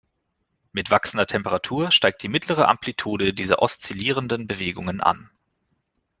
Mit wachsender Temperatur steigt die mittlere Amplitude dieser oszillierenden Bewegungen an.